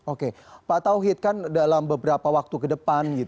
oke pak tauhid kan dalam beberapa waktu ke depan